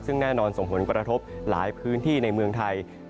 ซึ่งแน่นอนส่งผลกระทบหลายพื้นที่ในเมืองไทย